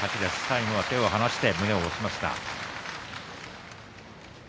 最後は手を離して胸で押しました。